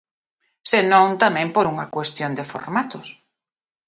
Senón tamén por unha cuestión de formatos.